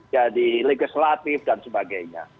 jadi legislatif dan sebagainya